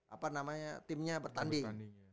apa namanya timnya bertanding